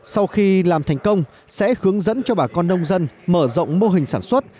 sau khi làm thành công sẽ hướng dẫn cho bà con nông dân mở rộng mô hình sản xuất